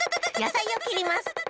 やさいをきります！